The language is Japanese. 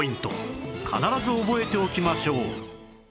必ず覚えておきましょう